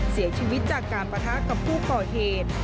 เสียชีวิตจากการปะทะกับผู้ก่อเหตุ